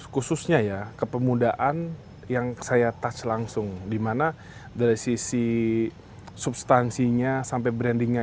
khususnya ya kepemudaan yang saya touch langsung dimana dari sisi substansinya sampai brandingnya